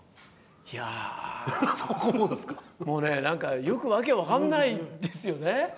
いやもうね何かよく訳分かんないんですよね。